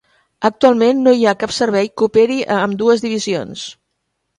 Actualment no hi cap servei que operi a ambdues divisions.